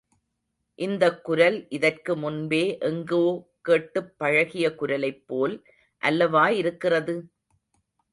இந்தக் குரல் இதற்கு முன்பே எங்கோ கேட்டுப் பழகிய குரலைப்போல் அல்லவா இருக்கிறது?